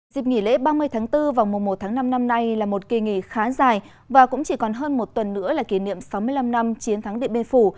dịp nghỉ lễ ba mươi tháng bốn vào mùa một tháng năm năm nay là một kỳ nghỉ khá dài và cũng chỉ còn hơn một tuần nữa là kỷ niệm sáu mươi năm năm chiến thắng điện biên phủ